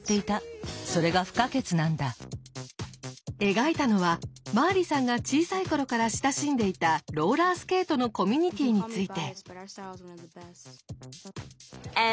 描いたのはマーリさんが小さい頃から親しんでいたローラースケートのコミュニティーについて。